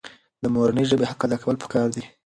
د مورنۍ ژبې حق ادا کول پکار دي.